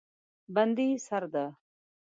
بندي سرده